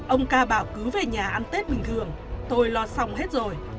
ông ca bảo cứ về nhà ăn tết bình thường tôi lo xong hết rồi